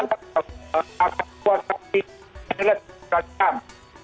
ya kita berbuka puasa di jelat tiga jam